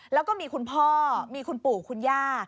แล้วก็มีคุณพ่อมีคุณปู่คุณย่า